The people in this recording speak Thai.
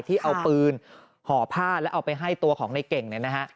ที่เอาปืนห่อผ้าแล้วเอาไปให้ตัวของในเก่งเนี่ยนะฮะ